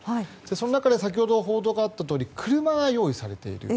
その中で先ほど報道があったとおり車が用意されている。